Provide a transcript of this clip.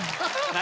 何？